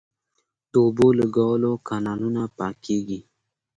د اوبو لګولو کانالونه پاکیږي